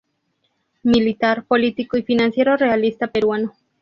Militar, político y financiero realista peruano.